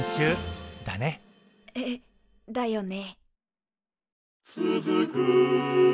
えだよね。